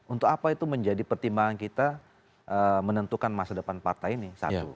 untuk apa itu menjadi pertimbangan kita menentukan masa depan partai ini satu